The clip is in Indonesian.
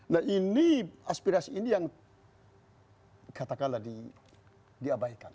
nah ini aspirasi ini yang katakanlah diabaikan